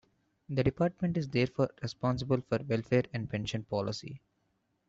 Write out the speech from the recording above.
The Department is therefore responsible for welfare and pension policy.